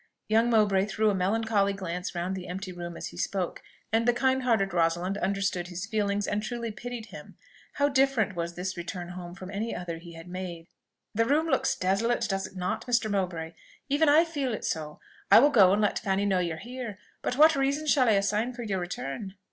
Young Mowbray threw a melancholy glance round the empty room as he spoke, and the kind hearted Rosalind understood his feelings and truly pitied him. How different was this return home from any other he had ever made! "The room looks desolate does it not, Mr. Mowbray? Even I feel it so. I will go and let Fanny know you are here; but what reason shall I assign for your return?"